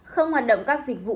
không hoạt động các dịch vụ